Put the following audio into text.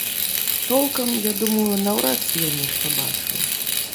Толкам, я думаю, наўрад ці ён нешта бачыў.